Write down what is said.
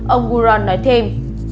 ông guron nói thêm